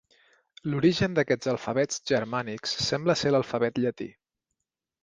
L'origen d'aquests alfabets germànics sembla ser l'alfabet llatí.